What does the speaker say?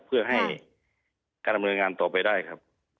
เพื่อให้การดำเนินงานต่อไปได้ครับ